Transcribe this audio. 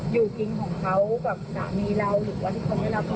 อยู่กินของเขากับสามีเราหรือว่าที่เขาไม่รับเขา